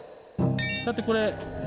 だってこれ。